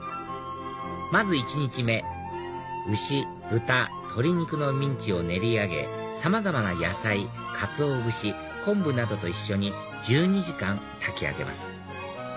まず１日目牛豚鶏肉のミンチを練り上げさまざまな野菜かつお節昆布などと一緒に１２時間炊き上げます